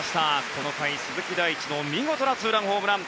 この回、鈴木大地の見事なツーランホームラン。